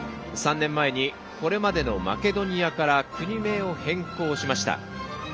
３年前に、これまでのマケドニアから国名を変更しました。